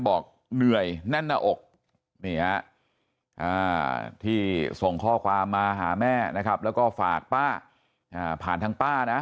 บอกเหนื่อยแน่นหน้าอกนี่ฮะที่ส่งข้อความมาหาแม่นะครับแล้วก็ฝากป้าผ่านทางป้านะ